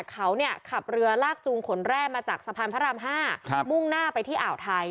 เขาขับเรือลากจูงขนแร่มาจากสะพานพระราม๕มุ่งหน้าไปที่อ่าวไทย